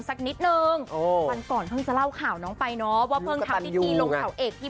สักนิดนึงวันก่อนเพิ่งจะเล่าข่าวน้องไปเนาะว่าเพิ่งทำพิธีลงเขาเอกที่